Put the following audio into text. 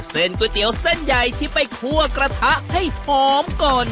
ก๋วยเตี๋ยวเส้นใหญ่ที่ไปคั่วกระทะให้หอมก่อน